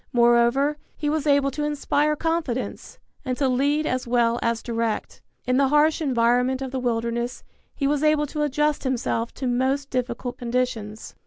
Moreover, he was able to inspire confidence, and to lead as well as direct. In the harsh environment of the wilderness he was able to adjust himself to most difficult conditions.